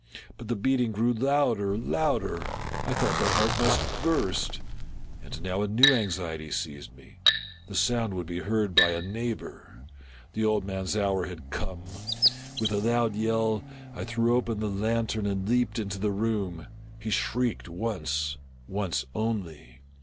But the beating grew louder, louder ! I thought the heart must burst. And now a new anxiety seized me — the sound would be heard by a neighbor ! The old man's hour had come ! With a loud yell, I threw open the lantern and leaped into the room. He shrieked once — once only.